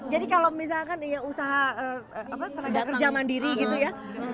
jadi kalau misalkan usaha kerja mandiri gitu ya